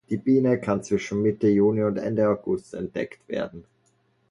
Die Biene kann zwischen Mitte Juni und Ende August entdeckt werden.